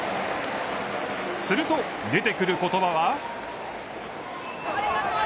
すると、出てくる言葉は。